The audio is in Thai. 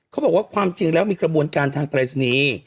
เขาบอกว่าความจริงแล้วมีกระบวนการทางปรายศนีย์